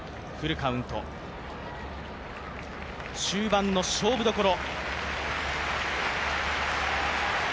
終盤の勝負どころ。